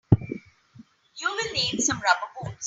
You will need some rubber boots.